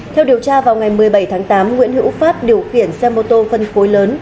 theo điều tra vào ngày một mươi bảy tháng tám nguyễn hữu phát điều khiển xe mô tô phân khối lớn